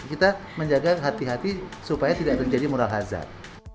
kita menjaga hati hati supaya tidak terjadi mural hazard